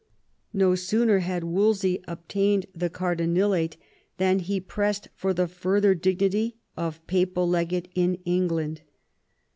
No sooner had Wolsey obtained the cardinalate than he pressed for the further dignity of papal legate in England.